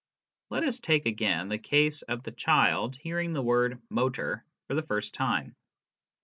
Let us take again the case of the child hearing the word " motor ?> for the first time.